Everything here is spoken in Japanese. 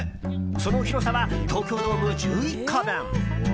その広さは、東京ドーム１１個分。